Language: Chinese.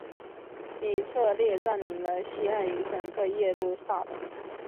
以色列占领了西岸与整个耶路撒冷。